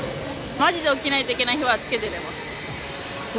まじで起きないといけない日はつけて寝ます。